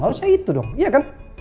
harusnya itu dong iya kan